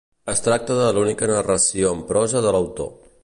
Es tracta de l'única narració en prosa de l'autor.